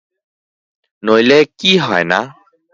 নইলে কি হয় না?